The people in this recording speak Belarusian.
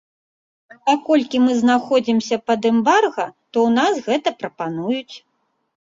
А паколькі мы знаходзімся пад эмбарга, то у нас гэта прапануюць.